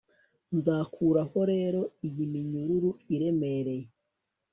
nzakuraho rero iyi minyururu iremereye